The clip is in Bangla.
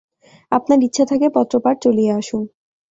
আপনার ইচ্ছা থাকে, পত্রপাঠ চলিয়া আসুন।